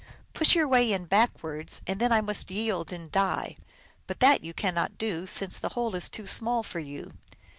Push your way in backwards, and then I must yield and die. But that you cannot do, since the hole is too small for you."